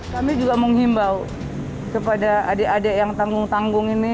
kami juga menghimbau kepada adik adik yang tanggung tanggung ini